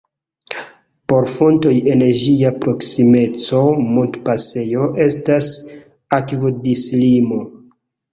Por fontoj en ĝia proksimeco montpasejo estas akvodislimo.